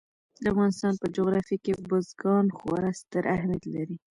د افغانستان په جغرافیه کې بزګان خورا ستر اهمیت لري.